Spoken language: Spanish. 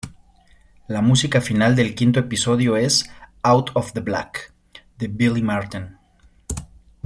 La música final del quinto episodio es "Out of the Black" de Billie Marten.